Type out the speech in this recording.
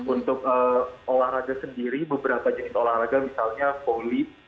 untuk olahraga sendiri beberapa jenis olahraga misalnya folley